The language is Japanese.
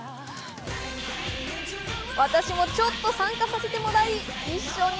私もちょっと参加させてもらい一緒に